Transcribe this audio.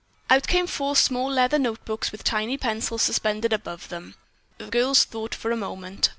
Out came four small leather notebooks and with tiny pencils suspended above them, the girls thought for a moment.